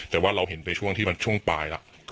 แต่ว่าเราเห็นไปช่วงที่มันช่วงปลายแล้ว